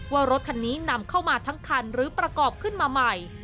ว่ารถคันนี้นำเข้ามาทั้งคันหรือประกอบขึ้นมาใหม่